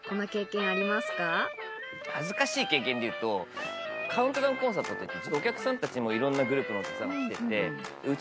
恥ずかしい経験でいうとカウントダウンコンサートってお客さんたちもいろんなグループのお客さんが来てて。